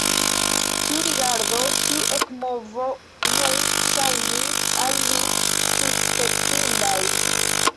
Ĉiu rigardo, ĉiu ekmovo nun ŝajnis al li suspektindaj.